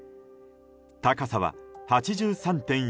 高さは８３．４ｍ。